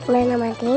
pernah mati ini ya